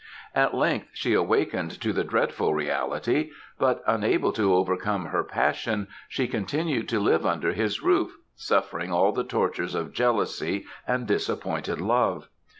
At length she awakened to the dreadful reality, but unable to overcome her passion, she continued to live under his roof, suffering all the tortures of jealousy and disappointed love.